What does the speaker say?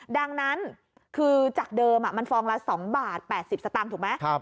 ดังนั้นคือจากเดิมมันฟองละ๒บาท๘๐สตางค์ถูกไหม